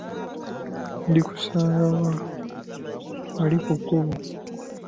Ndikusanga wa, wali ku kkubo?